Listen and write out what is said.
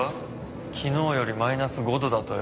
昨日よりマイナス５度だとよ。